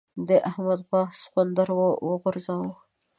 د احمد غوا سخوندر وغورځاوو.